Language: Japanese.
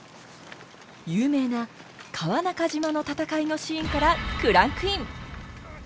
有名な川中島の戦いのシーンからクランクイン！